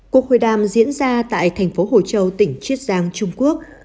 cuộc hội đàm diễn ra tại thành phố hồ châu tỉnh chiết giang trung quốc